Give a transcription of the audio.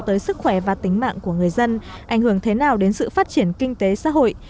tới sức khỏe và tính mạng của người dân ảnh hưởng thế nào đến sự phát triển kinh tế xã hội